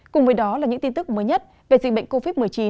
cùng với đó là những tin tức mới nhất về dịch bệnh covid một mươi chín